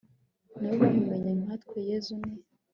nab o bamumenye nkatwe yezu ni